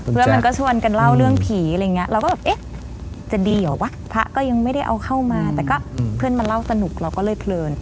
เพื่อนมันก็ชวนกันเล่าเรื่องผีอะไรอย่างนี้เราก็แบบเอ๊ะจะดีเหรอวะพระก็ยังไม่ได้เอาเข้ามาแต่ก็เพื่อนมาเล่าสนุกเราก็เลยเพลิน